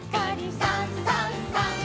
「さんさんさん」